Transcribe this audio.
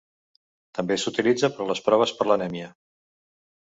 També s'utilitza per a les proves per l'anèmia.